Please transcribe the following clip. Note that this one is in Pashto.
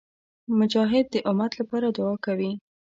مجاهد د امت لپاره دعا کوي.